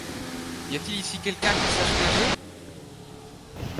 Y a-t-il ici quelqu’un qui sache nager ?